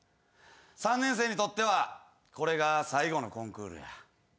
３年生にとってはこれが最後のコンクールや。